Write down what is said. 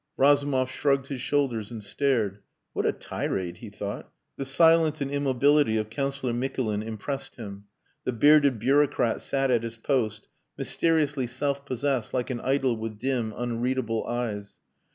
Razumov shrugged his shoulders and stared. "What a tirade!" he thought. The silence and immobility of Councillor Mikulin impressed him. The bearded bureaucrat sat at his post, mysteriously self possessed like an idol with dim, unreadable eyes.